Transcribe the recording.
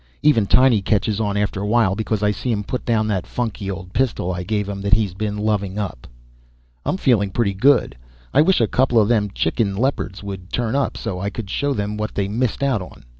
Even Tiny catches on after a while, because I see him put down that funky old pistol I gave him that he's been loving up. I'm feeling pretty good. I wish a couple of them chicken Leopards would turn up so I could show them what they missed out on.